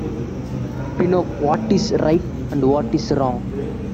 Pinoak what is right and what is wrong.